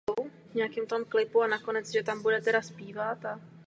Uvádí se tehdy jako předseda "Svazu slovenských poštovních úředníků".